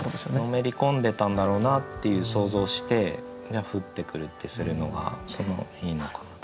のめり込んでたんだろうなっていう想像をして「降ってくる」ってするのがいいのかなと。